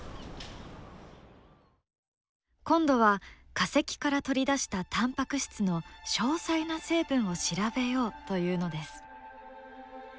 今度は化石から取り出したタンパク質の詳細な成分を調べようというのです。